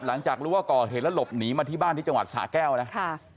หลังจากรู้ว่าก่อเหตุแล้วหลบหนีมาที่บ้านที่จังหวัดสาแก้วนะค่ะ